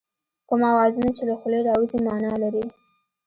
کوم اوازونه چې له خولې راوځي مانا لري